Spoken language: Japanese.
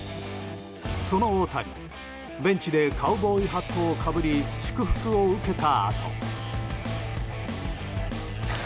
その大谷、ベンチでカウボーイハットをかぶり祝福を受けたあと。